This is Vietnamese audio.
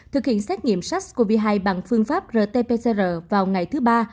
thực hiện xét nghiệm sars cov hai bằng phương pháp rt pcr vào ngày thứ ba